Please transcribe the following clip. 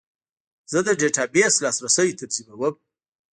زه د ډیټابیس لاسرسی تنظیموم.